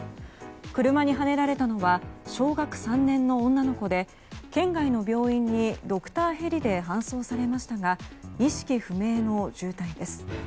車にはねられたのは小学３年の女の子で県外の病院にドクターヘリで搬送されましたが意識不明の重体です。